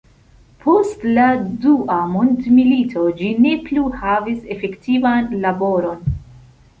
Post la dua mondmilito ĝi ne plu havis efektivan laboron.